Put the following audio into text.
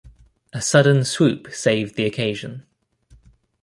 A sudden swoop saved the occasion.